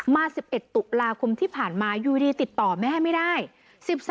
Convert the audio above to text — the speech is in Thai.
มา๑๑ตุลาคมที่ผ่านมาอยู่ดีติดต่อแม่ไม่ได้